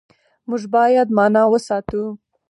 موږ بايد مانا وساتو.